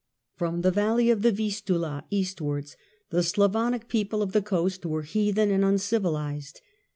From the Valley of the Vistula eastwards, the Slavonic people of the coast were heathen and uncivilised.